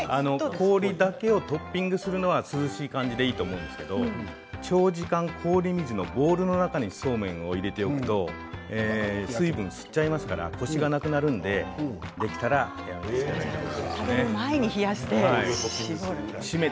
氷だけをトッピングするのは涼しい感じでいいと思うんですけれども長時間、氷水のボウルの中にそうめんを入れておくと水も吸っちゃいますからコシがなくなるのでできたらその前に冷やして絞る。